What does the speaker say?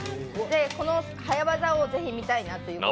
この早業をぜひみたいなと思って。